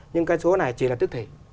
nhưng cái số này chỉ là tức thỉ